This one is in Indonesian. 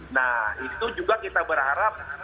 nah itu juga kita berharap